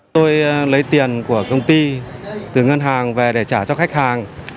tôi lấy tiền của công ty từ ngân hàng về để trả cho khách hàng